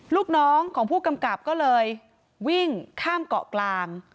ลูกน้องของผู้กำกับก็เลยวิ่งข้ามเกาะกลาง